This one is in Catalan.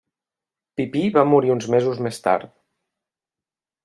Pipí va morir uns mesos més tard.